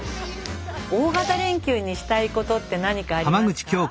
大型連休にしたいことって何かありますか？